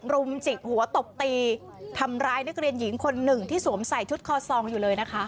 รุมจิกหัวตบตีทำร้ายนักเรียนหญิงคนหนึ่งที่สวมใส่ชุดคอซองอยู่เลยนะคะ